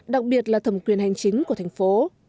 đặc biệt là thẩm quyền hành chính của thành phố